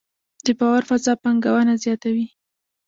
د باور فضا پانګونه زیاتوي؟